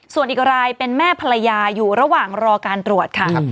ส่วนอีกรายเป็นแม่ภรรยาอยู่ระหว่างรอการตรวจค่ะ